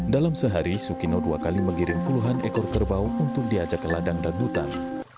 dalam sehari sukino dua kali mengirim puluhan ekor kerbau untuk diajak ke ladang dan hutan